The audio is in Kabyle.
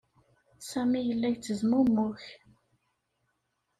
Sami yella yettezmumug.